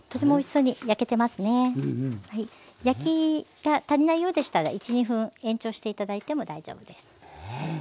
焼きが足りないようでしたら１２分延長して頂いても大丈夫です。